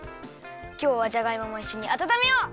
きょうはじゃがいももいっしょにあたためよう！